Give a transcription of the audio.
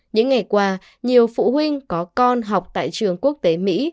những ngày qua nhiều phụ huynh có con học tại trường quốc tế mỹ